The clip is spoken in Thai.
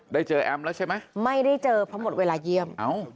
ได้เจอแอมเพราะหมดเวลาเยี่ยม